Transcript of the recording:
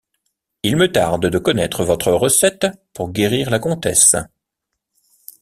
Il me tarde de connaître votre recette pour guérir la comtesse...